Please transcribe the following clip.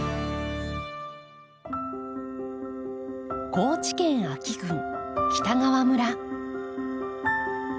高知県安芸郡北川村。